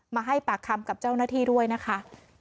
มาให้ปากคำกับเจ้าหน้าที่ด้วยนะคะ